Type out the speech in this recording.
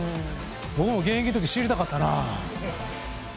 僕も現役の時に知りたかったな。